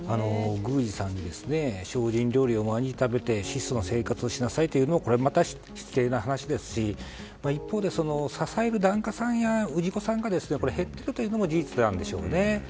宮司さんに精進料理を毎日食べて質素な生活をしなさいというのは失礼な話ですし一方で、支える檀家さんや氏子さんなどが減っているのも事実でしょうね。